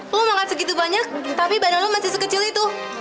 lo makan segitu banyak tapi badan lo masih sekecil itu